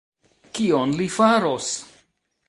Kion li faros?